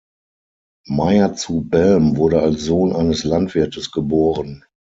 Meyer zu Belm wurde als Sohn eines Landwirtes geboren.